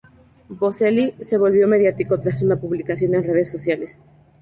Boselli se volvió mediático tras una publicación en redes sociales.